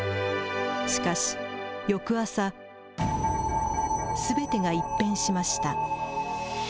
しかし、翌朝、すべてが一変しました。